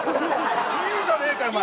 いいじゃねえかよお前！